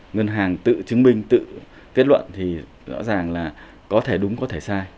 ngân hàng tự chứng minh tự kết luận thì rõ ràng là có thể đúng có thể sai